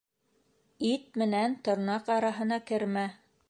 Ит менән тырнаҡ араһына кермә